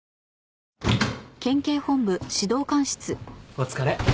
お疲れ。